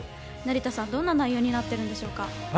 成田さん、どんな内容になっているんでしょうか。